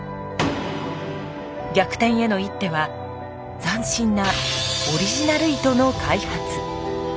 逆転への一手は斬新なオリジナル糸の開発。